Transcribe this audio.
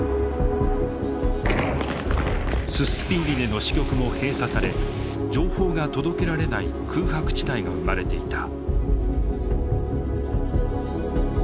ススピーリネの支局も閉鎖され情報が届けられない空白地帯が生まれていた。